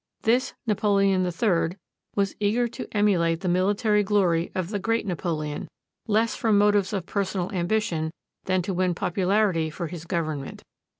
This Napoleon III was eager to emulate the military glory of the great Napoleon, less from motives of personal ambition than to win popularity for his Government.